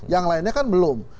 yang lainnya kan belum